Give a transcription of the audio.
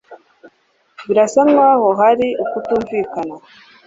Birasa nkaho hari ukutumvikana.